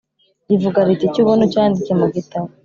rivuga riti “Icyo ubona ucyandike mu gitabo,